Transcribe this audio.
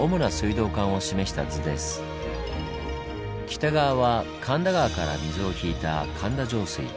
北側は神田川から水を引いた神田上水。